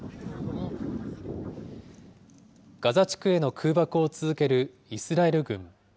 ガザ地区への空爆を続けるイスラエル軍。